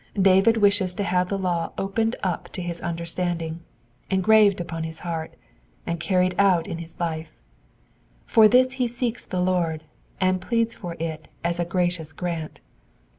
David wishes to have the law opened up to his understanding, engraved upon his heart, and carried out in his life ; for this he seeks the Lord, and pleads for it as a gracious grant.